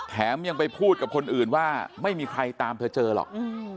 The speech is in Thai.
แถมยังไปพูดกับคนอื่นว่าไม่มีใครตามเธอเจอหรอก